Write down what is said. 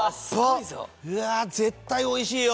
絶対おいしいよ！